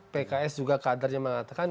pks juga kadarnya mengatakan